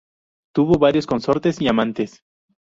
Tuvo varios consortes y amantes.